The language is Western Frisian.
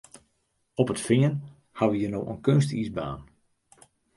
Op it Fean ha we hjir no in keunstiisbaan.